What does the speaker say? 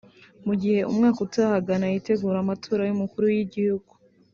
Mu gihe umwaka utaha Ghana yitegura amatora y’Umukuru w’Igihugu